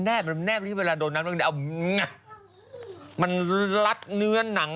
แน่บนี่เวลาโดนน้ำมันรัดเนื้อหนัง